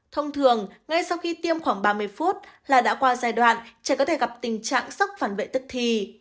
thông thường ngay sau khi tiêm khoảng ba mươi phút là đã qua giai đoạn trẻ có thể gặp tình trạng sốc phản vệ tức thì